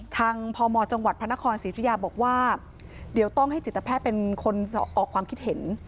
พมจังหวัดพระนครศรีธุยาบอกว่าเดี๋ยวต้องให้จิตแพทย์เป็นคนออกความคิดเห็น